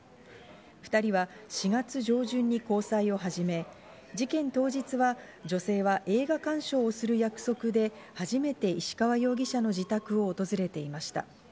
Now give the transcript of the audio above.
２人は４月上旬に交際を始め、事件当日は女性は映画鑑賞をする約束で、初めて石川容疑者の自宅を訪れていました。